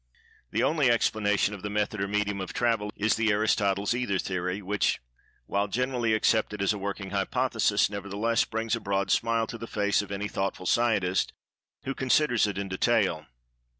The only explanation of the method or medium of "travel" is the "Aristotle's Ether" Theory, which, while generally accepted as a working hypothesis, nevertheless, brings a broad smile to the face of any thoughtful scientist who considers it in detail.